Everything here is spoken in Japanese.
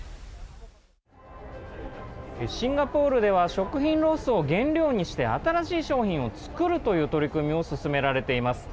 シンガポールでは食品ロスを原料にして新しい商品を作るという取り組みを進められています。